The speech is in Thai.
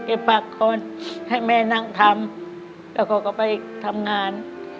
ไอบ่ายโคนให้แม่นั่งทำแล้วก็ก็ไปทำงาน